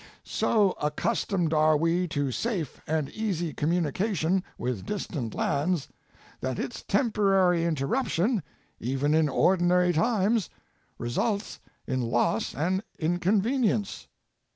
So accustomed are we to safe and easy communication with distant lands, that its temporary interruption, even in ordi nary times, results in loss and inconvenience.